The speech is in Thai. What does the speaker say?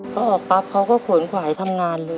พอออกปั๊บเขาก็ขนขวายทำงานเลย